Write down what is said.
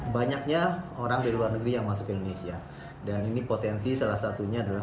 banyaknya orang dari luar negeri yang masuk ke indonesia dan ini potensi salah satunya adalah